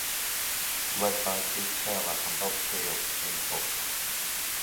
Led by Creed Taylor and Bob Thiele, Impulse!